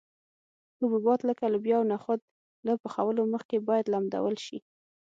حبوبات لکه لوبیا او نخود له پخولو مخکې باید لمدول شي.